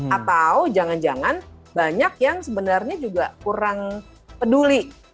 atau jangan jangan banyak yang sebenarnya juga kurang peduli